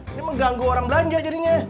ini mengganggu orang belanja jadinya